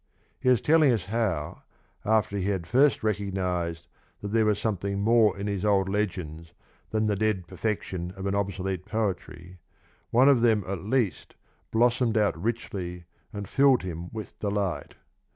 He is telling us how, after he had first recognised that there was something more in these old legends than the dead perfection of an obsolete poetry, one of them at least blossomed out richly and filled him with delight.